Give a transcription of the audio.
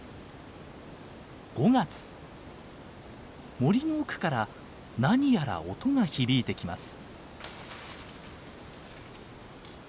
森の奥から何やら音が響いてきます。